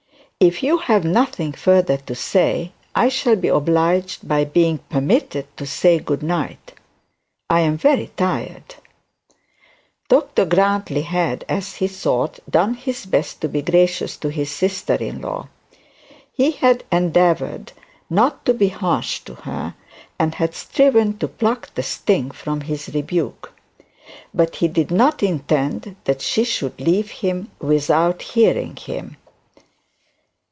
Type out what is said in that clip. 'If you have nothing further to say, I shall be obliged by being permitted to say good night I am very tired.' Dr Grantly had, as he thought, done his best to be gracious to his sister in law. He had endeavoured not to be harsh with her, and had striven to pluck the sting from his rebuke. But he did not intend that she should leave him without hearing him.